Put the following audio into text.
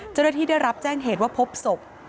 เจ้าหน้าที่ได้รับแจ้งเหตุว่าพบศพ